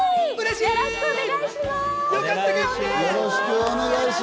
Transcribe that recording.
よろしくお願いします。